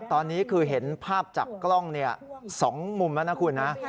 ตอนนี้คือเห็นภาพจากกล้อง๒มุมแล้วนะคุณนะ